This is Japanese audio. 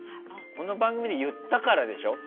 この番組で言ったからでしょ。